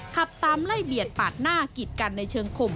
ขับตามไล่เบียดปาดหน้ากิดกันในเชิงคม